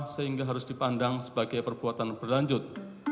sehingga harus dipandang sebagai perbuatan berlanjut